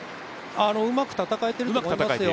うまく戦えていると思いますよ。